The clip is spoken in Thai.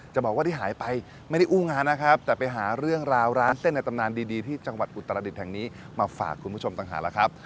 จะบอกว่าที่หายไปไม่ได้อู้งานนะครับแต่ไปหาเรื่องราวร้านเส้นในตำนานดีที่จังหวัดอุตรดิษฐ์แห่งนี้มาฝากคุณผู้ชมต่างหากแล้วครับ